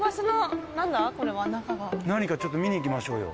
何かちょっと見に行きましょうよ。